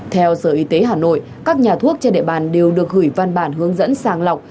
theo sở y tế hà nội các nhà thuốc trên địa bàn đều được gửi văn bản hướng dẫn sàng lọc